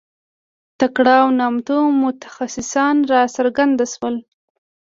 تکړه او نامتو متخصصان راڅرګند شول.